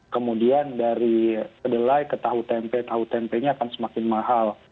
kemudian dari kedelai ke tahu tempe tahu tempenya akan semakin mahal